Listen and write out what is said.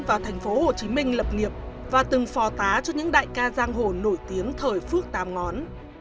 vào tp hcm lập nghiệp và từng phò tá cho những đại ca giang hồ nổi tiếng thời phước tám ngón